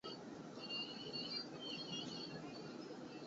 碳原子编号从靠近羰基的一端开始。